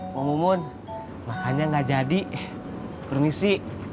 pak mumun makannya nggak jadi permisi